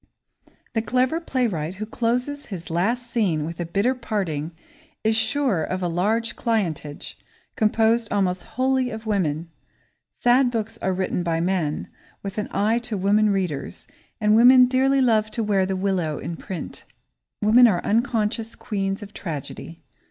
The clever playwright who closes his last scene with a bitter parting is sure of a large clientage, composed almost wholly of women. Sad books are written by men, with an eye to women readers, and women dearly love to wear the willow in print. Women are unconscious queens of tragedy.